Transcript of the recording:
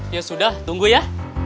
ya sudah tunggu ya